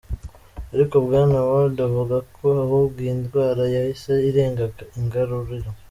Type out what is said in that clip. Ariko Bwana Ward avuga ko ahubwo iyi ndwara yahise "irenga igaruriro.